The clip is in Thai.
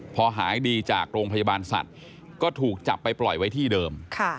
พอหายดีจากโรงพยาบาลสัตว์ก็ถูกจับไปปล่อยไว้ที่เดิม